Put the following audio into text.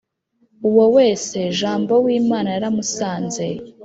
uwo wese jambo w’imana yaramusanze